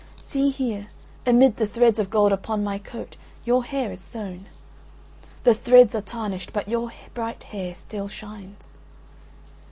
See here, amid the threads of gold upon my coat your hair is sown: the threads are tarnished, but your bright hair still shines."